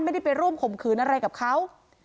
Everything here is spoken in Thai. ไม่ได้ไปร่วมข่มขืนอะไรกับเขา